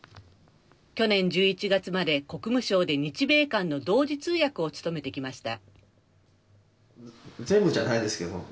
去年１１月まで国務省で日米間の同時通訳を務めてきました。